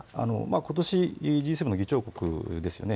ことしＧ７の議長国ですよね。